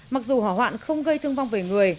mặc dù hỏa hoạn không gây thương vong về người